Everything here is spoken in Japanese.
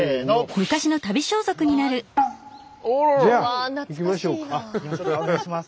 じゃあ行きましょうか。